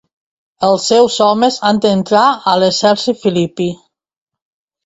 Els seus homes han d'entrar a l'exèrcit filipí.